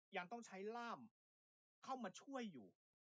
ยังต้องใช้ล่ามเข้ามาช่วยอยู่